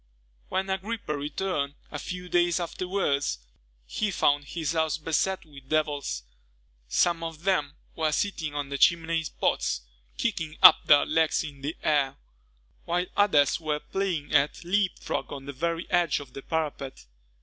When Agrippa returned, a few days afterwards, he found his house beset with devils. Some of them were sitting on the chimney pots, kicking up their legs in the air; while others were playing at leapfrog on the very edge of the parapet.